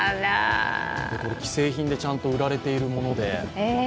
これ、既製品でちゃんと売られているもので。